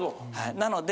なので。